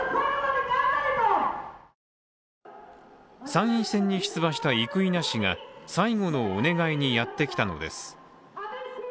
参院選に出馬した生稲氏が最後のお願いにやってきたのです。